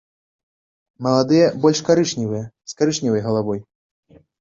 Маладыя больш карычневыя, з карычневай галавой.